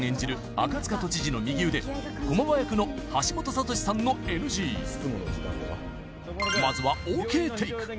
赤塚都知事の右腕駒場役の橋本さとしさんのＮＧまずはＯＫテイク